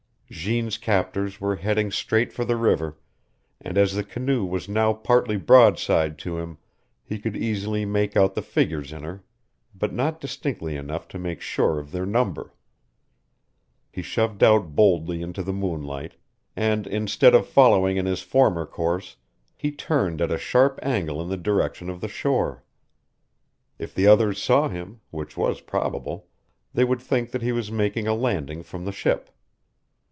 Jeanne's captors were heading straight for the river, and as the canoe was now partly broadside to him he could easily make out the figures in her, but not distinctly enough to make sure of their number. He shoved out boldly into the moonlight, and, instead of following in his former course, he turned at a sharp angle in the direction of the shore. If the others saw him, which was probable, they would think that he was making a landing from the ship.